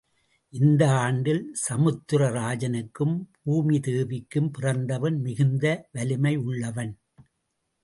இந்த ஆன்டியஸ் சமுத்திர ராஜனுக்கும் பூமிதேவிக்கும் பிறந்தவன் மிகுந்த வலிமை யுள்ளவன்.